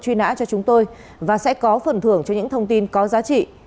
truy nã cho chúng tôi và sẽ có phần thưởng cho những thông tin có giá trị